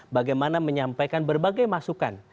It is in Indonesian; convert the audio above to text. bagaimana menyampaikan berbagai masukan